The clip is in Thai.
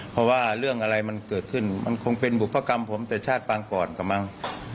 เพราะว่าเรื่องอะไรมันเกิดขึ้นมันคงเป็นบุภกรรมผมแต่ชาติปางก่อนกับมั้ง